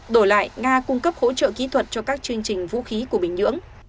đổi lại nga cung cấp hỗ trợ kỹ thuật cho các chương trình vũ khí của bình nhưỡng